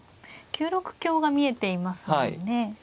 ９六香が見えていますもんね。